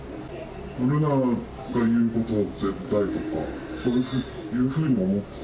瑠奈が言うことが絶対とか、そういうふうに思った。